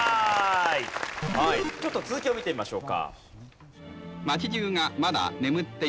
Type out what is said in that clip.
ちょっと続きを見てみましょうか。